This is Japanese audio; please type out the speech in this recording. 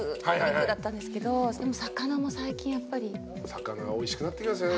魚がおいしくなってきますよね。